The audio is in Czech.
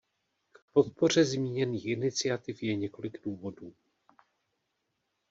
K podpoře zmíněných iniciativ je několik důvodů.